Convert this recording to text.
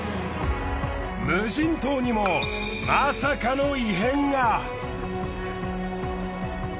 無人島にもまさかの異変が！